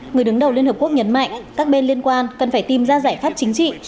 người đứng đầu liên hợp quốc nhấn mạnh các bên liên quan cần phải tìm ra giải pháp chính trị